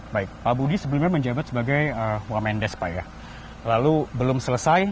baik pak budi sebelumnya menjabat sebagai wamendes pak ya lalu belum selesai